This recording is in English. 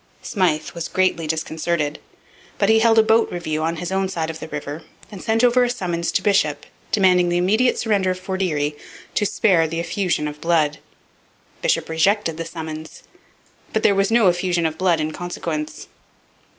Smyth was greatly disconcerted. But he held a boat review on his own side of the river, and sent over a summons to Bisshopp demanding the immediate surrender of Fort Erie 'to spare the effusion of blood.' Bisshopp rejected the summons. But there was no effusion of blood in consequence.